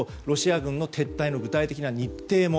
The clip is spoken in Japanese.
ロシア軍の撤退の具体的な日程。